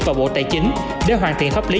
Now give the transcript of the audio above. và bộ tài chính để hoàn thiện pháp lý